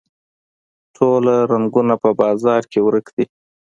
ټوله رنګونه په بازار کې ورک دي